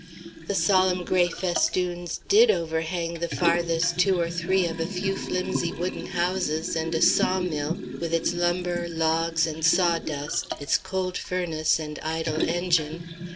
The solemn gray festoons did overhang the farthest two or three of a few flimsy wooden houses and a saw mill with its lumber, logs, and sawdust, its cold furnace and idle engine.